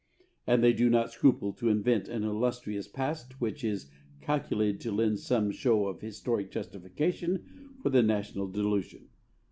And they do not scruple to invent an illustrious past which is calculated to lend some show of historic justification for the national delusion.